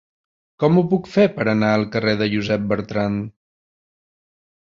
Com ho puc fer per anar al carrer de Josep Bertrand?